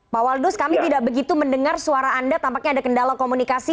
pak waldus kami tidak begitu mendengar suara anda tampaknya ada kendala komunikasi